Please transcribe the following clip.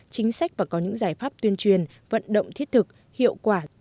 chính sách và có những giải pháp tuyên truyền vận động thiết thực hiệu quả